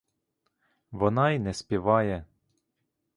Вона й не співає.